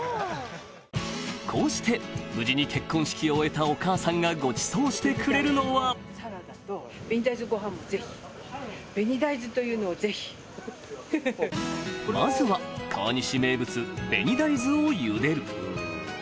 こうして無事に結婚式を終えたお母さんがごちそうしてくれるのはまずは川西名物紅大豆をゆでる